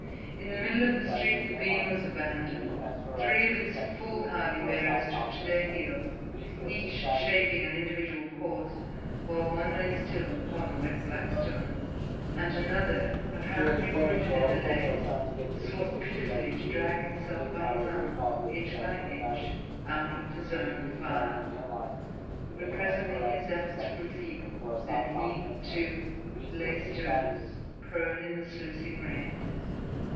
In the middle of the street the beam was abandoned, three of its fool hardy bearers took to their heels, each shaping an individual course, while one lay still upon the wet black stones, and another, apparently wounded in the legs, sought pitifully to drag himself by his arms, inch by inch, out of the zone of fire. But presently his efforts grew feeble, then he, too, lay stirless, prone in the sluicing rain.